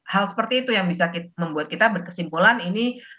hal seperti itu yang bisa membuat kita berkesimpulan ini